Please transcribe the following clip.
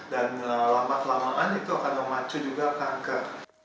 dan lama kelamaan itu akan memacu juga kanker